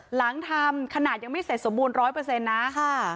หลังทำขนาดยังไม่เสร็จสมบูรณ์๑๐๐นะ